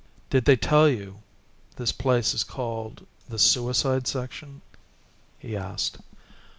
"Did they tell you this place is called the suicide section?" he asked.